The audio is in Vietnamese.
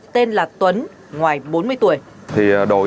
tên là tuấn ngoài bốn mươi tuổi